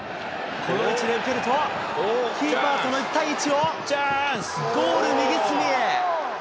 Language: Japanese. この位置で受けると、キーパーとの１対１を、ゴール右隅へ。